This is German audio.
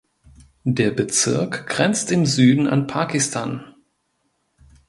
Der Bezirk grenzt im Süden an Pakistan.